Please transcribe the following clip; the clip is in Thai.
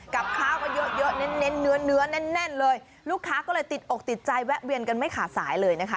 กลับค้าก็เยอะเนื้อแน่นเลยลูกค้าก็เลยติดอกติดใจแวะเวียนกันไม่ขาดสายเลยนะฮะ